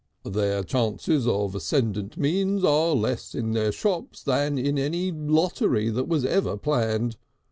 Their chances of ascendant means are less in their shops than in any lottery that was ever planned.